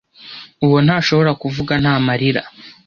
uwo ntashobora kuvuga nta marira